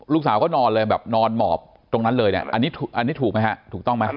ลูกสาวก็นอนเลยแบบนอนหมอบตรงนั้นเลยเนี่ยอันนี้ถูกไหมฮะถูกต้องไหม